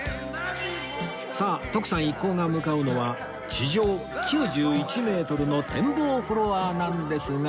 さあ徳さん一行が向かうのは地上９１メートルの展望フロアなんですが